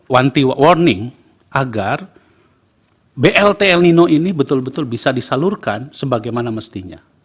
warning agar bltl nino ini betul betul bisa disalurkan sebagaimana mestinya